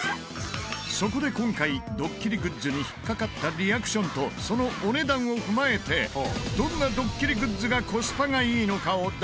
そこで今回ドッキリグッズに引っかかったリアクションとそのお値段を踏まえてどんなドッキリグッズがコスパがいいのかを大調査！